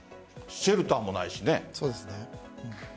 シェルターもないし。